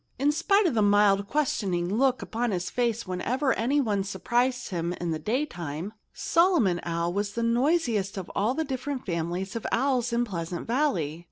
In spite of the mild, questioning look upon his face whenever anyone surprised him in the daytime, Solomon Owl was the noisiest of all the different families of owls in Pleasant Valley.